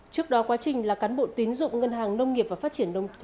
trước đó quá trình là cán bộ tín dụng ngân hàng nông nghiệp và phát triển nông thôn